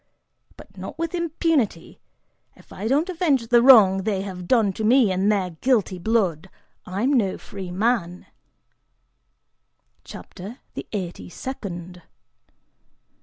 But not with impunity! If I don't avenge the wrong they have done me in their guilty blood, I'm no free man!" CHAPTER THE EIGHTY SECOND.